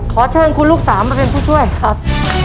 ขอเชิญคุณลูกสามมาเป็นผู้ช่วยครับ